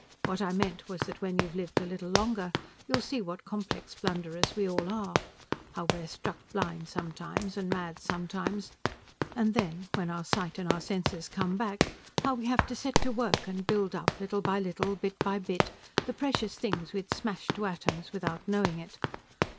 What I meant was that when you've lived a little longer you'll see what complex blunderers we all are: how we're struck blind sometimes, and mad sometimes and then, when our sight and our senses come back, how we have to set to work, and build up, little by little, bit by bit, the precious things we'd smashed to atoms without knowing it.